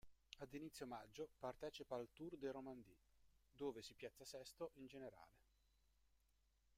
Ad inizio maggio, partecipa al Tour de Romandie, dove si piazza sesto in generale.